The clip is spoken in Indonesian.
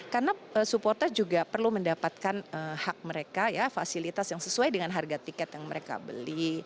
karena supporter juga perlu mendapatkan hak mereka ya fasilitas yang sesuai dengan harga tiket yang mereka beli